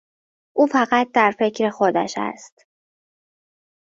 او فقط در فکر خودش است.